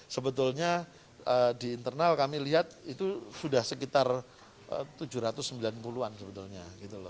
sebetulnya di internal kami lihat itu sudah sekitar tujuh ratus sembilan puluh an sebetulnya